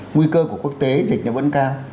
nguy cơ của quốc tế dịch nó vẫn cao